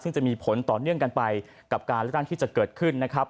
ซึ่งจะมีผลต่อเนื่องกันไปกับการเลือกตั้งที่จะเกิดขึ้นนะครับ